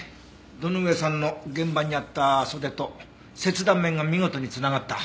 堂上さんの現場にあった袖と切断面が見事に繋がった。